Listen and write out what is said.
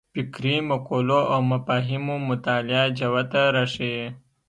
فکري مقولو او مفاهیمو مطالعه جوته راښيي.